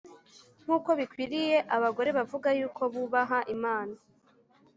nk’uko bikwiriye abagore bavuga yuko bubaha Imana.